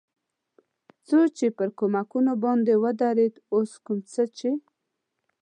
څو چې پر کومکونو باندې ودرېد، اوس کوم څه چې.